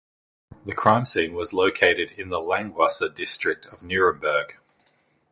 The crime scene was located in the Langwasser district of Nuremberg.